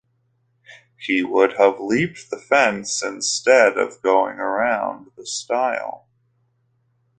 He would have leaped the fence instead of going round the stile.